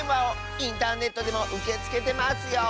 インターネットでもうけつけてますよ。